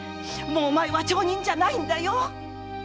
もうお前は町人じゃないんだよ！